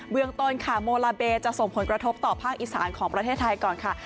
เมืองต้นค่ะโมลาเบจะส่งผลกระทบต่อภาคอีสานของประเทศไทยก่อนค่ะ